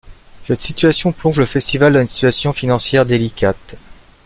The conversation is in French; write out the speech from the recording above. Cette situation plonge le festival dans une situation financière délicate.